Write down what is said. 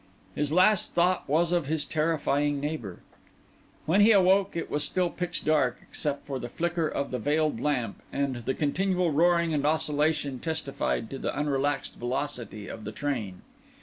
His last thought was of his terrifying neighbour. When he awoke it was still pitch dark, except for the flicker of the veiled lamp; and the continual roaring and oscillation testified to the unrelaxed velocity of the train.